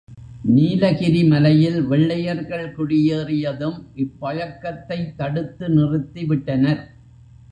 நீலகிரி மலையில் வெள்ளையர்கள் குடியேறியதும், இப் பழக்கத்தைத் தடுத்து நிறுத்திவிட்டனர்.